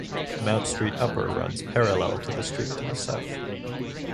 Mount Street Upper runs parallel to the street to the south.